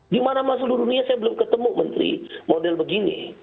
di mana masa dulu dunia saya belum ketemu menteri model begini